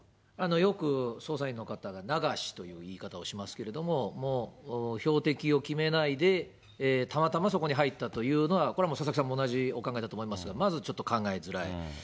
よく捜査員の方がながしという言い方をしますけれども、標的を決めないで、たまたまそこに入ったというのが、これは佐々木さんも同じお考えだと思いますが、まずちょっと考えづらい。